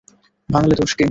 ভাঙলে দোষ কী?